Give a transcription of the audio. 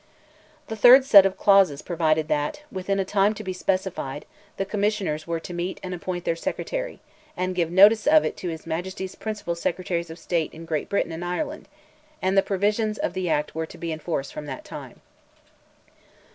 "The third set of clauses provided that, within a time to be specified, the Commissioners were to meet and appoint their Secretary, and give notice of it to his Majesty's principal Secretaries of State in Great Britain and Ireland; and the provisions of the act were to be in force from that time."